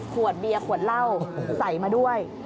ขวดเบียร์ขวดเหล้าใส่มาด้วย